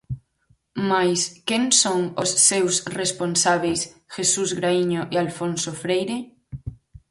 Mais, quen son os seus responsábeis Jesús Graíño e Alfonso Freire?